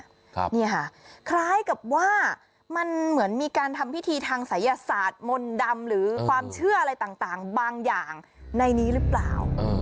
ครับเนี่ยค่ะคล้ายกับว่ามันเหมือนมีการทำพิธีทางศัยศาสตร์มนต์ดำหรือความเชื่ออะไรต่างต่างบางอย่างในนี้หรือเปล่า